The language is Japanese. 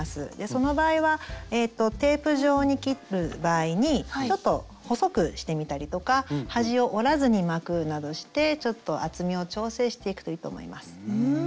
その場合はテープ状に切る場合にちょっと細くしてみたりとか端を折らずに巻くなどしてちょっと厚みを調整していくといいと思います。